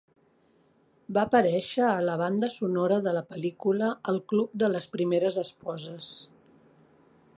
Va aparèixer a la banda sonora de la pel·lícula "El club de les primeres esposes".